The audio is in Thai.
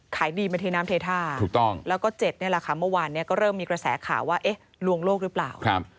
ขายดีมาเทน้ำเทท่าถูกต้องแล้วก็๗นี่แหละค่ะเมื่อวานนี้ก็เริ่มมีกระแสข่าวว่าเอ๊ะลวงโลกหรือเปล่า